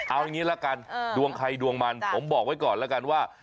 เอาอย่างนี้ละกันดวงใครดวงมันผมบอกไว้ก่อนแล้วกันว่า